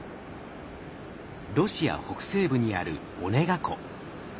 ロシア北西部にあるオネガ湖。